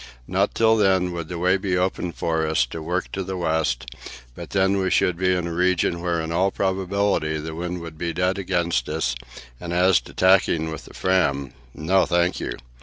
Not till then would the way be open for us to work to the west; but then we should be in a region where in all probability the wind would be dead against us, and as to tacking with the Fram no, thank you!